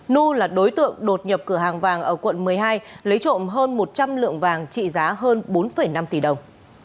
nu là đối tượng đột nhập cửa hàng vàng ở quận một mươi hai lấy trộm hơn một trăm linh lượng vàng trị giá hơn bốn năm tỷ đồng